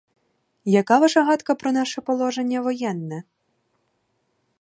Яка ваша гадка про наше положення воєнне?